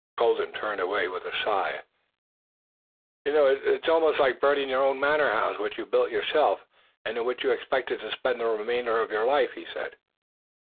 Colden turned away with a sigh. "It's almost like burning your own manor house which you built yourself, and in which you expected to spend the remainder of your life," he said.